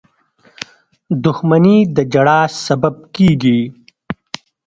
• دښمني د ژړا سبب کېږي.